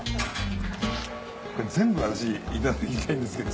これ全部私いただきたいんですけど。